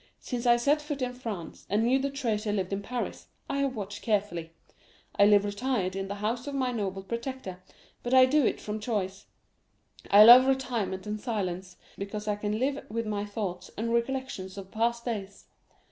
Since I set my foot in France, and knew the traitor lived in Paris, I have watched carefully. I live retired in the house of my noble protector, but I do it from choice. I love retirement and silence, because I can live with my thoughts and recollections of past days.